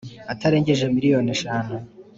Atarengeje miliyoni eshanu